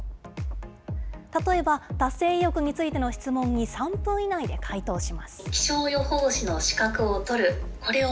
例えば達成意欲についての質問に３分以内で回答します。